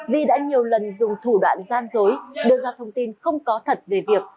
vi đã nhiều lần dùng thủ đoạn gian dối đưa ra thông tin không có thật về việc